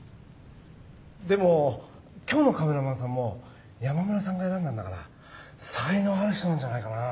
でも今日のカメラマンさんも山村さんが選んだんだから才能ある人なんじゃないかなあ。